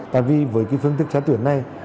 tại vì với phương thức xét tuyển này